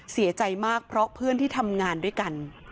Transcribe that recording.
เสียใจมากเพราะเพื่อนที่ทำงานด้วยกัน